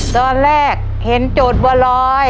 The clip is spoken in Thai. ตอนแรกเห็นโจทย์บัวลอย